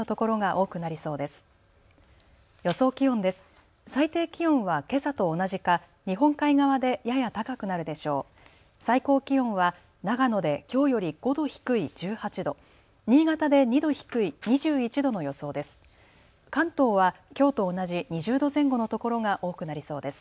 最高気温は長野できょうより５度低い１８度、新潟で２度低い２１度の予想です。